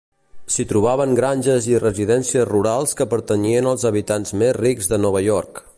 S'hi trobaven granges i residències rurals que pertanyien als habitants més rics de Nova York.